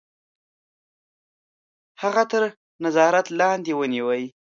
هغه تر نظارت لاندي ونیوی.